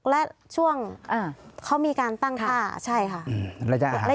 และช่วงเขามีการตั้งภาพได้ค่ะ